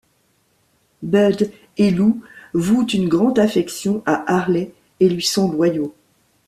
Bud et Lou vouent une grande affection à Harley et lui sont loyaux.